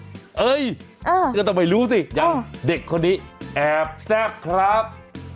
เฮ้ยอย่างนั้นต้องไปรู้สิอย่างเด็กคนนี้แอบแทรกครับ